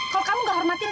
kalau kamu gak hormatin